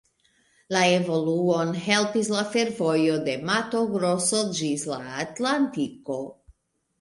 La evoluon helpis la fervojo de Mato Grosso ĝis la Atlantiko.